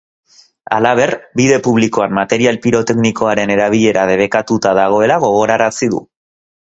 Halaber, bide publikoan material piroteknikoaren erabilera debekatuta dagoela gogorarazi du.